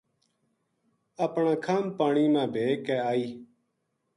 اپنا کَھم پانی ما بھے کے آئی